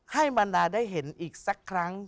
บรรดาได้เห็นอีกสักครั้ง